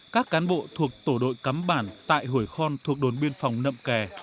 các cán bộ thuộc tổ đội cắm bản tại hủy khon thuộc đồn biên phòng nậm kè